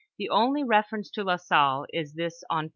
The only reference to La Salle, is this on p.